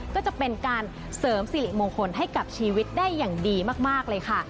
ก็จะเป็นการเสริมสิริมงคลให้กับชีวิตได้อย่างดีมากเลยค่ะ